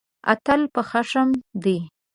اتل په خښم دی.